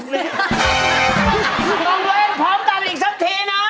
ทำให้พร้อมกันอีกซักทีนะ